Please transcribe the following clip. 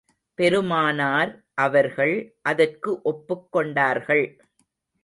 பெருமானார், அவர்கள், அதற்கு ஒப்புக் கொண்டார்கள்.